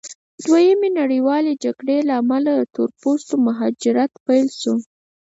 د دویمې نړیوالې جګړې له امله د تور پوستو مهاجرت پیل شو.